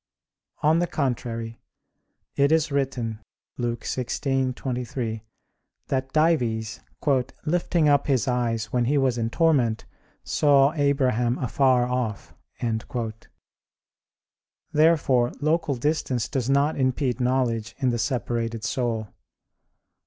On the contrary, It is written (Luke 16:23), that Dives, "lifting up his eyes when he was in torment, saw Abraham afar off." Therefore local distance does not impede knowledge in the separated soul.